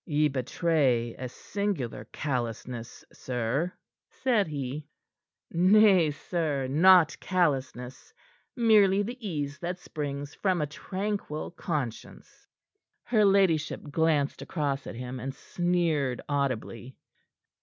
"Ye betray a singular callousness, sir," said he. "Nay, sir; not callousness. Merely the ease that springs from a tranquil conscience." Her ladyship glanced across at him, and sneered audibly.